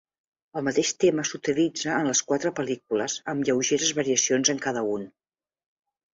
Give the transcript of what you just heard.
El mateix tema s'utilitza en les quatre pel·lícules amb lleugeres variacions en cada un.